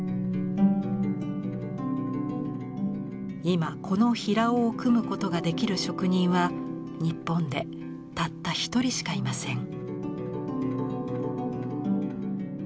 今この平緒を組むことができる職人は日本でたった一人しかいません。